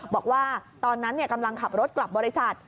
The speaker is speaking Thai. บอกว่าตอนนั้นกำลังขับรถกลับบริษัท